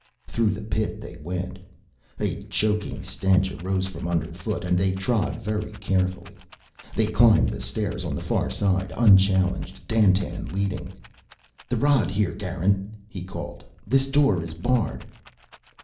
Through the pit they went. A choking stench arose from underfoot and they trod very carefully. They climbed the stairs on the far side unchallenged, Dandtan leading. "The rod here, Garin," he called; "this door is barred."